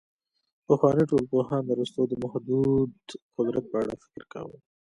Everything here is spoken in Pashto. پخواني ټولنپوهان د اسطورو د محدود قدرت په اړه فکر کاوه.